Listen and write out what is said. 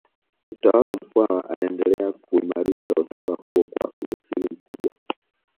Mtawala Mkwawa aliendelea kuuimarisha utawala huo kwa ujasiri mkubwa